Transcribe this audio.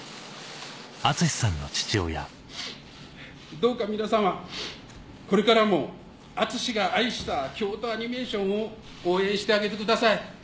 どうか皆様これからも敦志が愛した京都アニメーションを応援してあげてください。